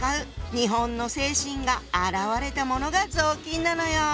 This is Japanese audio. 日本の精神が表れたものが雑巾なのよ。